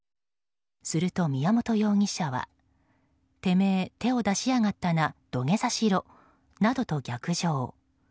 すると宮本容疑者はてめえ、手を出しやがったな土下座しろなどと逆上。